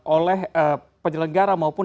oleh penyelenggara maupun